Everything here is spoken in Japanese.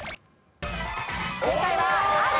正解はある。